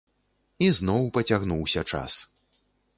І зноў пацягнуўся час.